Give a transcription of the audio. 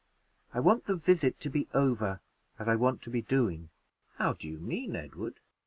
I want the visit to be over, as I want to be doing." "How do you mean, Edward?"